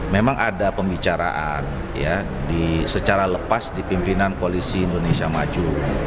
memang ada pembicaraan secara lepas di pimpinan koalisi indonesia maju